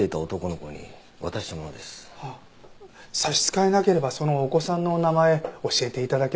差し支えなければそのお子さんのお名前教えて頂けませんか？